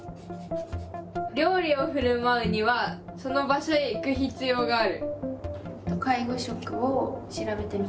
料理をふるまうにはその場所へ行く必要がある。